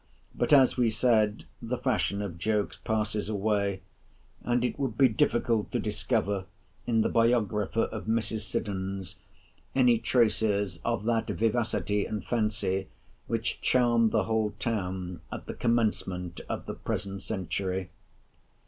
But, as we said, the fashion of jokes passes away; and it would be difficult to discover in the Biographer of Mrs. Siddons, any traces of that vivacity and fancy which charmed the whole town at the commencement of the present century.